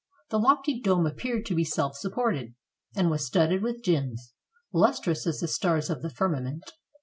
The lofty dome appeared to be self supported, and was studded with gems, lustrous as the stars of the fir mament.